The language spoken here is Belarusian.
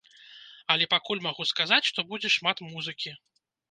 Але пакуль магу сказаць, што будзе шмат музыкі.